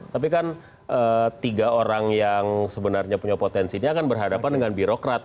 tapi kan tiga orang yang sebenarnya punya potensi ini akan berhadapan dengan birokrat